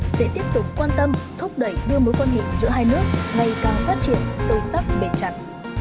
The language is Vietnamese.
sẽ tiếp tục quan tâm thúc đẩy đưa mối quan hệ giữa hai nước ngày càng phát triển sâu sắc bền chặt